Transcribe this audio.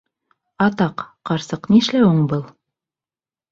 — Атаҡ, ҡарсыҡ, нишләүең был?